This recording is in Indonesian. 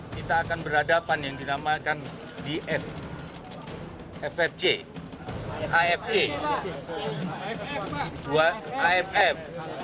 kita akan berhadapan yang dinamakan df ffc afc aff